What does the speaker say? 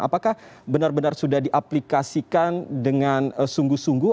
apakah benar benar sudah diaplikasikan dengan sungguh sungguh